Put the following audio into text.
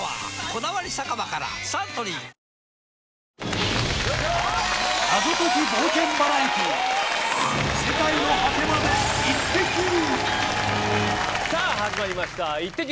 「こだわり酒場」からサントリーさぁ始まりました『イッテＱ！』。